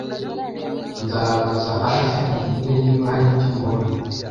Nzabaza hafi nkubwire niba hari icyo mbonye